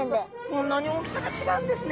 こんなに大きさが違うんですね。